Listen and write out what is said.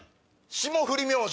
霜降り明星。